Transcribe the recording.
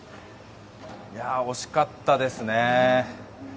惜しかったですね。